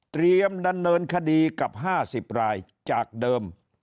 เตรียมดันเนินคดีกับ๕๐รายจากเดิม